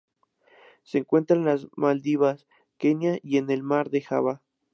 Se encuentra en las Maldivas, Kenia y en el Mar de Java.